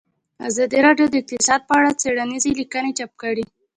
ازادي راډیو د اقتصاد په اړه څېړنیزې لیکنې چاپ کړي.